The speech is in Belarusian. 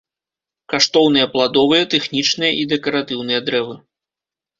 Каштоўныя пладовыя, тэхнічныя і дэкаратыўныя дрэвы.